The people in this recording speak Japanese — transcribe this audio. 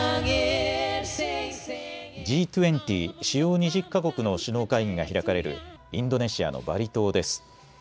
Ｇ２０・主要２０か国の首脳会議が開かれるインドネシアのバリ島です。